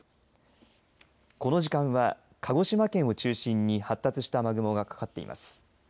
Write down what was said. この時間は、鹿児島県を中心に発達した雨雲がかかっています。